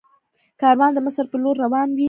کاروان د مصر په لور روان وي.